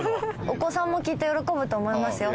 お子さんもきっと喜ぶと思いますよ。